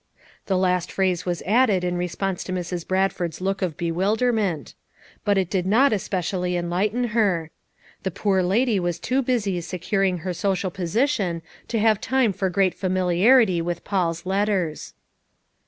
The last phrase was added in response to Mrs. Bradford's look of bewilderment; but it did not especially en lighten her; the poor lady w r as too busy secur ing her social position to have time for great familiarity with Paul's letters.